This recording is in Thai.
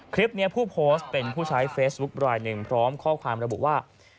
คลิปนี้ผู้โพสเป็นผู้ใช้เฟซบุ๊คไลน์๑พร้อมข้อความระบุว่า